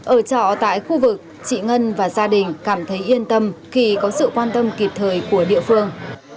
ở trọ tại khu vực chị ngân và gia đình cảm thấy yên tâm khi có sự quan tâm kịp thời của địa phương